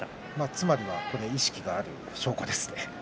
つまりは意識がある証拠ですね。